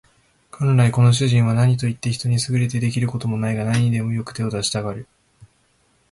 元来この主人は何といって人に優れて出来る事もないが、何にでもよく手を出したがる